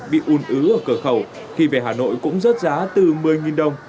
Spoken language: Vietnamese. bị un ứ ở cửa khẩu khi về hà nội cũng rớt giá từ một mươi đồng